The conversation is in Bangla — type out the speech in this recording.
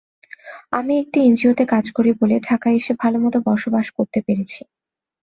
আমি একটি এনজিওতে কাজ করি বলে ঢাকায় এসে ভালোমতো বসবাস করতে পেরেছি।